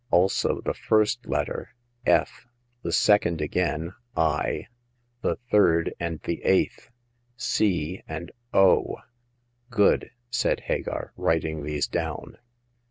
" Also the first letter, * F,' the second again, * i,' the third and the eighth, * c ' and * o.' "Good !" said Hagar, writing these down.